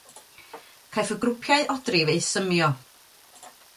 Caiff y grwpiau odrif eu symio.